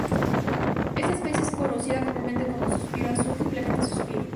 Esta especie es conocida comúnmente como 'Suspiro azul' simplemente 'Suspiro'.